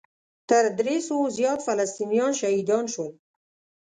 تر درې سوو زیات فلسطینیان شهیدان شول.